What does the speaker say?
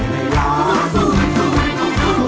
ให้ร้านสุดทุกทุกสุด